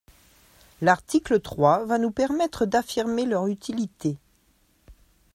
L’article trois va nous permettre d’affirmer leur utilité.